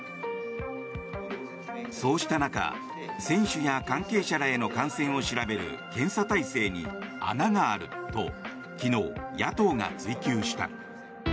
そうした中、選手や関係者らへの感染を調べる検査体制に穴があると昨日、野党が追及した。